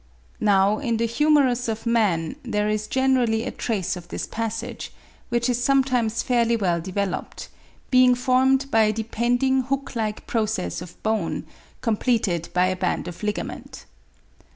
Now in the humerus of man, there is generally a trace of this passage, which is sometimes fairly well developed, being formed by a depending hook like process of bone, completed by a band of ligament.